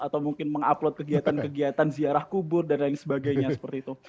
atau mungkin mengupload kegiatan kegiatan ziarah kubur dan lain sebagainya seperti itu